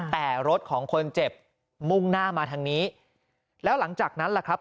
แต่รถของคนเจ็บมุ่งหน้ามาทางนี้แล้วหลังจากนั้นแหละครับ